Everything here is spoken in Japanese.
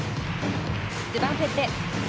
ドゥバンフェッテ。